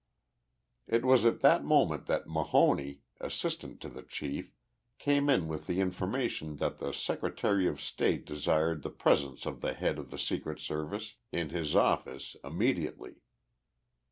It was at that moment that Mahoney, assistant to the chief, came in with the information that the Secretary of State desired the presence of the head of the Secret Service in his office immediately.